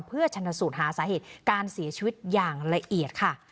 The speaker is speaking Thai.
เพื่อชนสูตรหาสาเหตุการเสียชีวิตอย่างละเอียดค่ะ